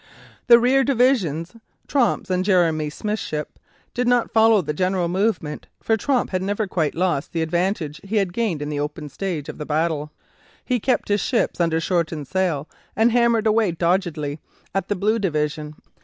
The rear divisions, Tromp's and Jeremy Smith's ships, did not follow the general movement, for Tromp had never quite lost the advantage he had gained in the opening stage of the battle. He kept his ships under shortened sail, and hammered away doggedly at the Blue Division.